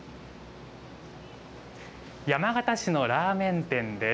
山形市のラーメン店です。